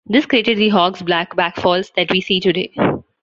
This created the Hogs Back Falls that we see today.